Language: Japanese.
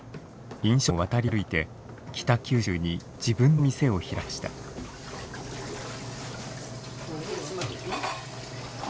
飲食店を渡り歩いて北九州に自分の店を開きました。